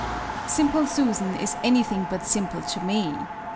SIMPLE SUSAN is anything but simple to me.